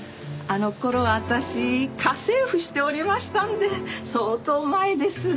あの頃私家政婦しておりましたので相当前です。